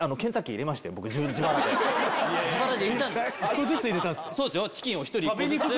１個ずつ入れたんすか？